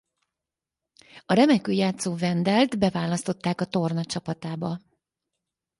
A remekül játszó Wendellt beválasztották a torna csapatába.